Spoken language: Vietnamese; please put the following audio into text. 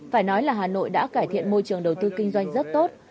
phải nói là hà nội đã cải thiện môi trường đầu tư kinh doanh rất tốt